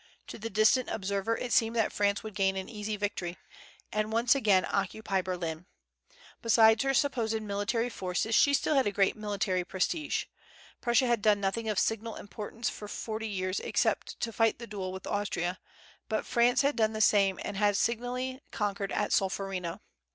To the distant observer it seemed that France would gain an easy victory, and once again occupy Berlin. Besides her supposed military forces, she still had a great military prestige. Prussia had done nothing of signal importance for forty years except to fight the duel with Austria; but France had done the same, and had signally conquered at Solferino.